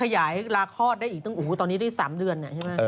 ให้ลาคอดได้อีกตั้งโอ้โหตอนนี้ได้๓เดือน